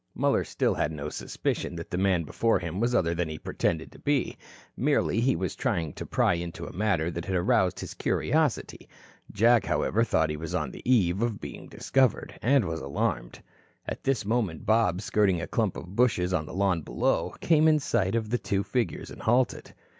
Muller still had no suspicion that the man before him was other than he pretended to be. Merely he was trying to pry into a matter that had aroused his curiosity. Jack, however, thought he was on the eve of being discovered, and was alarmed. At this moment Bob, skirting a clump of bushes on the lawn below, came in sight of the two figures and halted.